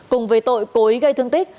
cùng về tội cố ý gây thương tích